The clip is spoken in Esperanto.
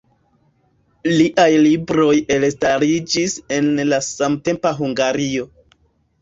Liaj libroj elstariĝis en la samtempa Hungario.